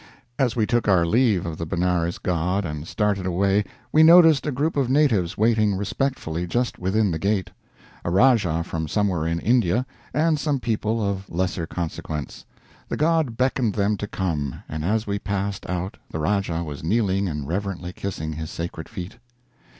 As we took our leave of the Benares god and started away we noticed a group of natives waiting respectfully just within the gate a Rajah from somewhere in India, and some people of lesser consequence. The god beckoned them to come, and as we passed out the Rajah was kneeling and reverently kissing his sacred feet.